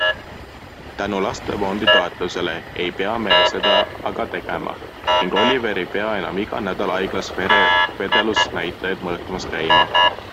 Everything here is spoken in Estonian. Tänu Lastefondi toetusele ei pea me seda aga tegema ning Oliver ei pea enam iga nädal haiglas vere vedelusnäitajaid mõõtmas käima.